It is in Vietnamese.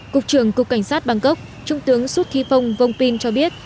cục trưởng cục cảnh sát bangkok trung tướng xuất ký phong vong pin cho biết